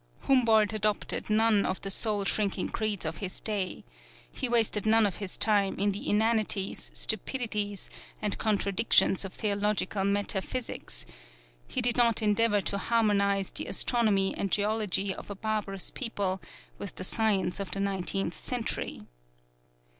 Humboldt adopted none of the soul shrinking creeds of his day; he wasted none of his time in the inanities, stupidities and contradictions of theological metaphysics; he did not endeavor to harmonize the astronomy and geology of a barbarous people with the science of the Nineteenth Century.